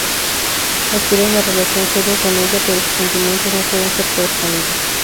Aspira a una relación "seria" con ella, pero sus sentimientos no suelen ser correspondidos.